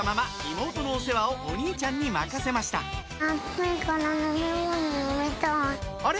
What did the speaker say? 妹のお世話をお兄ちゃんに任せましたあれ？